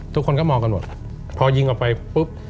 ทุกคนก็มองกันหมดพอยิงออกไปปุ๊บ